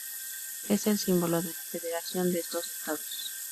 Es el símbolo de la Federación de estos estados.